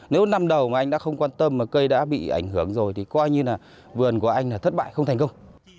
nếu năm đầu mà anh đã không quan tâm mà cây đã bị ảnh hưởng rồi thì coi như là vườn của anh là thất bại không thành công